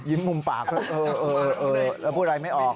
มุมปากแล้วพูดอะไรไม่ออก